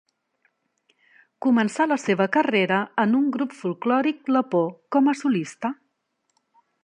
Començà la seva carrera en un grup folklòric lapó com a solista.